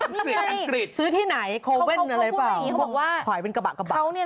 นี่ไงซื้อที่ไหนโคเว่นอะไรเปล่า